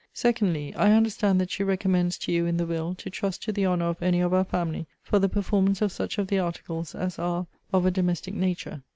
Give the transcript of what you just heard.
Secondly, I understand that she recommends to you in the will to trust to the honour of any of our family, for the performance of such of the articles as are of a domestic nature.